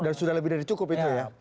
dan sudah lebih dari cukup itu ya